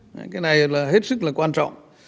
cái này là hết sức là quan trọng